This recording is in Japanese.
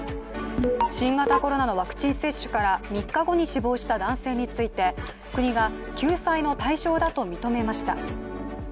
新型コロナのワクチン接種から３日後に死亡した男性について国が救済の対象だと認めました。